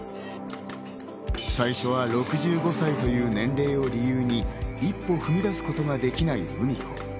最初は６５歳という年齢を理由に一歩踏み出すことができないうみ子。